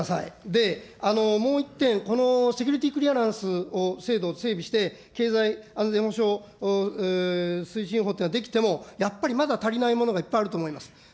で、もう１点、このセキュリティ・クリアランスを制度を整備して、経済安全保障推進法というのが出来ても、やっぱりまだ足りないものがいっぱいあると思います。